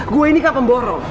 gue ini ke pemborong